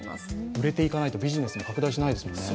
売れていかないとビジネスも拡大しないですもんね。